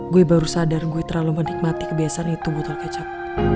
gue baru sadar gue terlalu menikmati kebiasaan itu butuh tol kecap